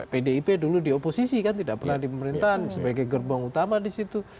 pdip dulu di oposisi kan tidak pernah di pemerintahan sebagai gerbong utama di situ